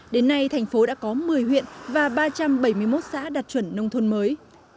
đến nay thành phố đã có một mươi huyện và ba trăm bảy mươi một xã đạt chuẩn nông thôn mới